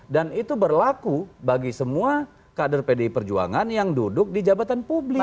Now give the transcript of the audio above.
dan itu berlaku bagi semua kader pdi perjuangan yang duduk di jabatan publik